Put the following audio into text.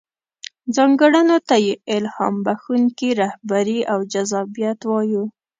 ځانګړنو ته يې الهام بښونکې رهبري او جذابيت وايو.